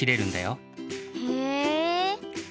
へえ。